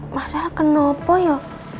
mas al kenapa ya